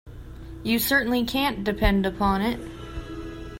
You certainly can't depend upon it.